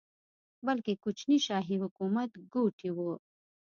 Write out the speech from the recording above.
بلکې کوچني شاهي حکومت ګوټي وو.